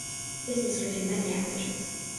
Business grew through many acquisitions.